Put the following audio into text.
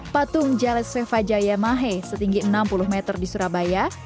patung jalesvevajaya mahe setinggi enam puluh meter di surabaya